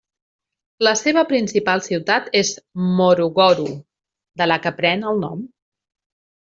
La seva principal ciutat és Morogoro, de la que pren el nom.